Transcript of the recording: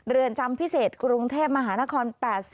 เรือนจำพิเศษกรุงเทพมหานคร๘๐